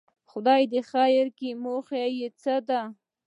خدای خیر کړي، موخه یې څه ده.